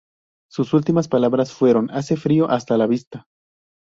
Sus últimas palabras fueron: ""¡Hace frío, hasta la vista!"".